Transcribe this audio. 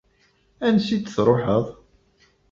Ansi d-truḥeḍ?